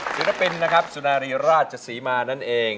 ศิลปินนะครับสุนารีราชศรีมานั่นเอง